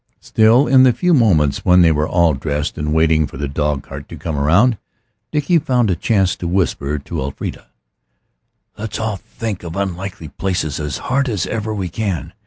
Still, in the few moments when they were all dressed and waiting for the dog cart to come round, Dickie found a chance to whisper to Elfrida "Let's all think of unlikely places as hard as ever we can.